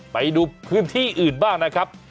ไปดูพื้นที่อื่นบ้างนะครับ